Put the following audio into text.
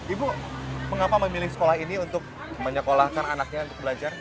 ibu mengapa memilih sekolah ini untuk menyekolahkan anaknya untuk belajar